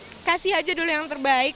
karena kasih aja dulu yang terbaik